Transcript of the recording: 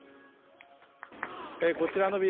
こちらのビル